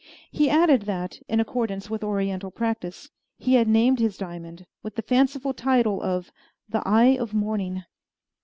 He added that, in accordance with oriental practice, he had named his diamond with the fanciful title of "The Eye of Morning."